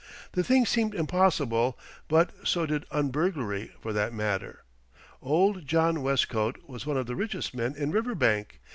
The thing seemed impossible, but so did un burglary, for that matter. Old John Westcote was one of the richest men in Riverbank.